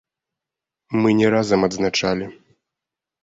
Мы не разам адзначалі.